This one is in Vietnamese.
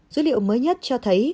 dữ liệu mới nhất cho thấy